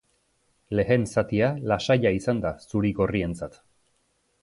Lehen zatia lasaia izan da zuri-gorrientzat.